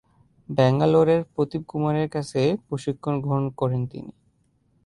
ব্যাঙ্গালোরের প্রদীপ কুমারের কাছে প্রশিক্ষণ গ্রহণ করেন তিনি।